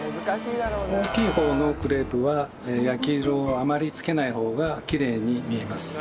大きい方のクレープは焼き色をあまりつけない方がきれいに見えます。